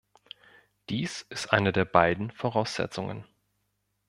Dies ist eine der beiden Voraussetzungen.